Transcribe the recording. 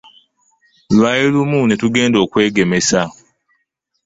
Lwali lumu netugenda okwegemesa.